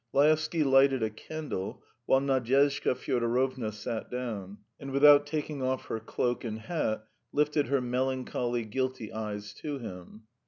Laevsky lighted a candle, while Nadyezhda Fyodorovna sat down, and without taking off her cloak and hat, lifted her melancholy, guilty eyes to him.